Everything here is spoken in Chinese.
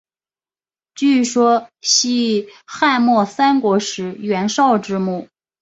据说系汉末三国时袁绍之墓。